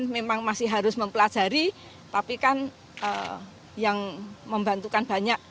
memang masih harus mempelajari tapi kan yang membantukan banyak